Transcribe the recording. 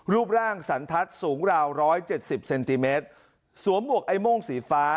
รูปร่างสันทัศน์สูงราวร้อยเจ็ดสิบเซนติเมตรสวมหมวกไอ้โม่งสีฟ้า